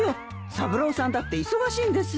三郎さんだって忙しいんですよ。